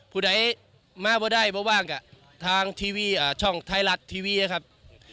ผู้ใดมาบ่ได้ว่างกับทางทีวีช่องไทยรัฐทีวีนะครับ